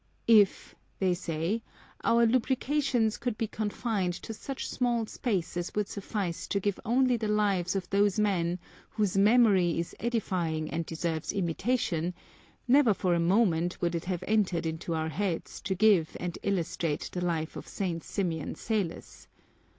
" If," say they, "our lucubrations could be confined to such small space as would suffice to give only the lives of those men whose memory is edifying and deserves imitation, never for a moment would it have entered into our heads to give and illustrate the life of St. Symeon Salos.